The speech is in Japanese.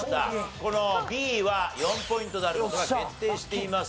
このＢは４ポイントである事が決定しています。